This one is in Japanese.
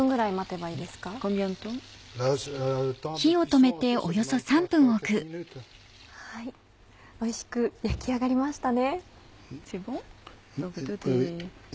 はいおいしく焼き上がりましたね。